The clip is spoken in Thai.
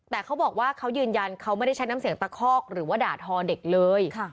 แต่เขาบอกว่าเขายืนยันเขาไม่ได้ใช้น้ำเสียงตะคอกหรือว่าด่าทอเด็กเลย